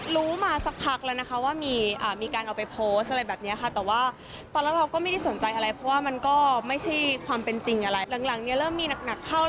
ลุมาสักผักแล้วนะคะว่ามีการ